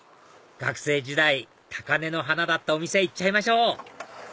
学生時代高根の花だったお店行っちゃいましょう！